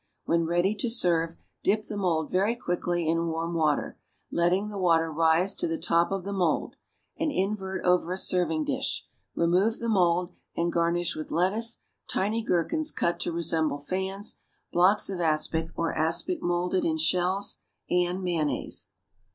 When ready to serve, dip the mould very quickly into warm water, letting the water rise to the top of the mould, and invert over a serving dish; remove the mould, and garnish with lettuce, tiny gherkins cut to resemble fans, blocks of aspic, or aspic moulded in shells, and mayonnaise.